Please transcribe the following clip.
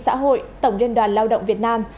xã hội tổng liên đoàn lao động việt nam